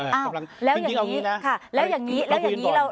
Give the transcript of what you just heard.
แล้วอย่างนี้เราจะรู้